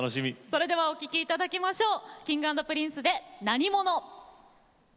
それではお聴きいただきましょう。